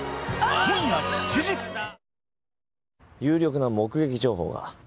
有力な目撃情報が。